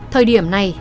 thời điểm này